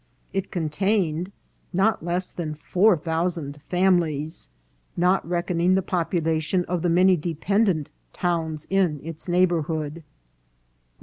It contained not less than four thousand families, not reck oning the population of the many dependant towns in its neighbourhood."